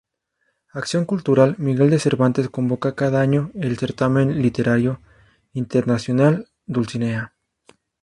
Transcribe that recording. Acción Cultural Miguel de Cervantes convoca cada año el Certamen Literario Internacional Dulcinea.